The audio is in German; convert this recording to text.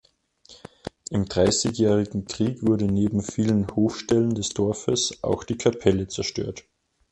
Im Dreißigjährigen Krieg wurde neben vielen Hofstellen des Dorfes auch die Kapelle zerstört.